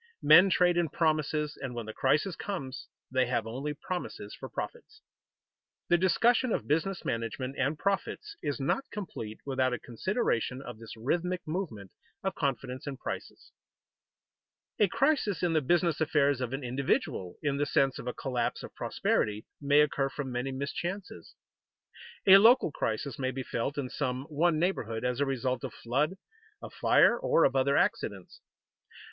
Men trade in promises and when the crisis comes, they have only promises for profits. The discussion of business management and profits is not complete without a consideration of this rhythmic movement of confidence and prices. A crisis in the business affairs of an individual, in the sense of a collapse of prosperity, may occur from many mischances. A local crisis may be felt in some one neighborhood as a result of flood, of fire, or of other accidents.